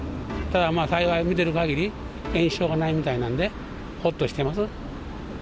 ただまあ、幸い、見てるかぎり、延焼がないみたいなんで、ほっとしてます。